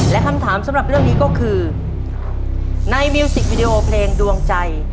และคำถามสำหรับเรื่องนี้ก็คือในมิวสิกวิดีโอเพลงดวงใจ